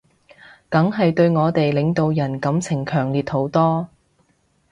梗係對我哋領導人感情強烈好多